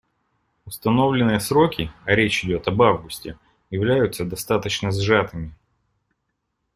Установленные сроки, а речь идет об августе, являются достаточно сжатыми.